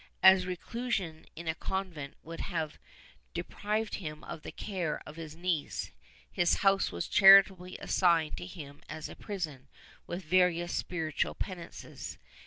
As reclusion in a convent would have de prived him of the care of his neice, his house was charitably assigned to him as a prison, with various spiritual penances.